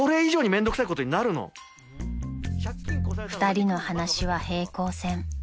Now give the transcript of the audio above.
［２人の話は平行線］